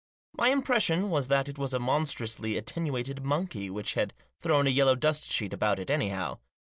My impression was that it was a monstrously attenuated monkey, which had thrown a yellow dust sheet about it anyhow.